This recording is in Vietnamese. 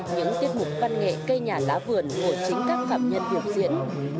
những tiết mục văn nghệ cây nhà lá vườn ngồi chính các phạm nhân việc diễn